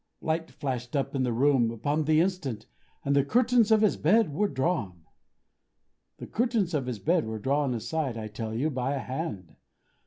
Light flashed up in the room upon the instant, and the curtains of his bed were drawn. The curtains of his bed were drawn aside, I tell you, by a hand.